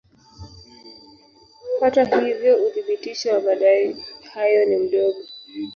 Hata hivyo uthibitisho wa madai hayo ni mdogo.